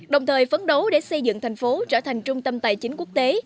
đồng thời phấn đấu để xây dựng thành phố trở thành trung tâm tài chính quốc tế